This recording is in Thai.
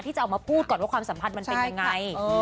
ที่จะออกมาพูดก่อนว่าความสัมพันธ์มันเป็นยังไง